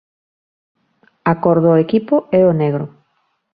A cor do equipo é o negro.